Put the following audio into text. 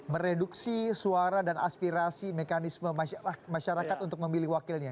mereduksi suara dan aspirasi mekanisme masyarakat untuk memilih wakilnya